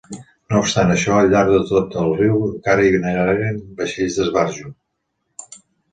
No obstant això, al llarg de tot el riu encara hi naveguen vaixells d'esbarjo.